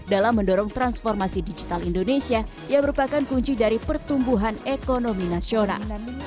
dalam mendorong transformasi digital indonesia yang merupakan kunci dari pertumbuhan ekonomi nasional